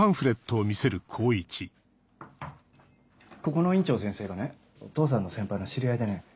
ここの院長先生がねお父さんの先輩の知り合いでね。